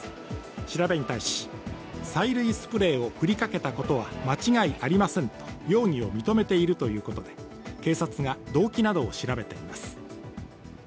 調べに対し催涙スプレーを振りかけたことは間違いありませんと容疑を認めているということで警察が動機などを調べています。